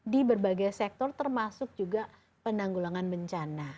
di berbagai sektor termasuk juga penanggulangan bencana